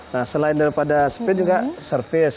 nah selain daripada spin juga surface